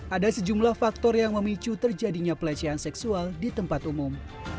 ada sejumlah faktor yang memicu terjadinya pelecehan seksual di tempat umum